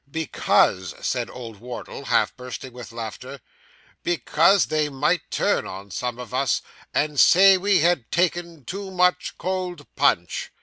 'Because,' said old Wardle, half bursting with laughter, 'because they might turn on some of us, and say we had taken too much cold punch.